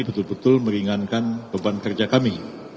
betul betul meringankan beban kerja kami